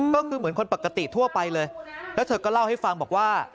ก็คือเหมือนคนปกติทั่วไปเลยแล้วเธอก็เล่าให้ฟังบอกว่า